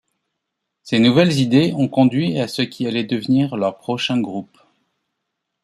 Ces nouvelles idées ont conduit à ce qui allait devenir leur prochain groupe.